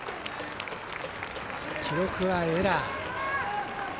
記録はエラー。